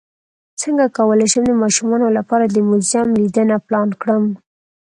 څنګه کولی شم د ماشومانو لپاره د موزیم لیدنه پلان کړم